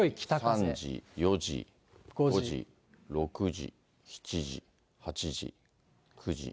３時、４時、５時、６時、７時、８時、９時。